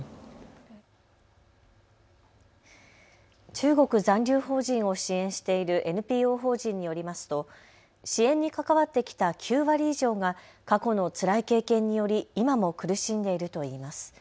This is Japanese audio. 中国残留邦人を支援しているＮＰＯ法人によりますと支援に関わってきた９割以上が過去のつらい経験により今も苦しんでいるといいます。